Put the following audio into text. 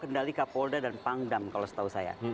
kendali kapolda dan pangdam kalau setahu saya